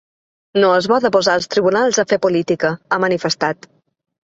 No és bo de posar els tribunals a fer política, ha manifestat.